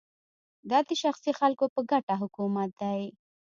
دا د شخصي خلکو په ګټه حکومت دی